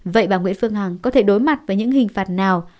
vậy bà nguyễn phương hằng có thể đối mặt với những hình phạt nào